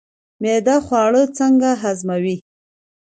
معده خواړه څنګه هضموي